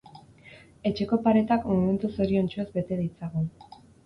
Etxeko paretak momentu zoriontsuez bete ditzagun.